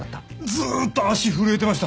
ずっと足震えてました。